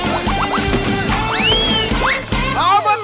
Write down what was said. โอบอตรอบหาสุด